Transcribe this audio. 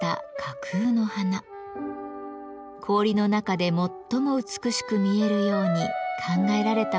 氷の中で最も美しく見えるように考えられたものなのです。